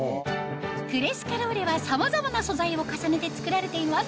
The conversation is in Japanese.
クレスカローレはさまざまな素材を重ねて作られています